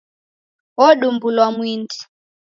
Odumbulwa mwindi.